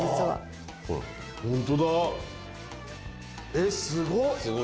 えっすごっ！